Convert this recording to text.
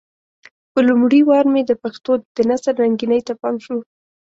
په لومړي وار مې د پښتو د نثر رنګينۍ ته پام شو.